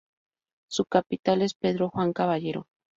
Su capital es Pedro Juan Caballero.